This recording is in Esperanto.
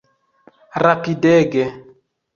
Rapidege!